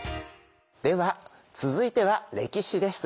では続いては歴史です。